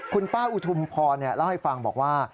คุณป้าอุทุมพรเล่าให้ฟังบอกว่า